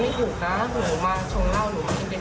บิบพอเหมือนจะเอาให้ตายเลย